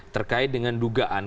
terkait dengan dugaan